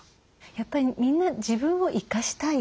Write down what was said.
やっぱりみんな自分を生かしたい。